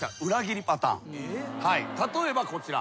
例えばこちら。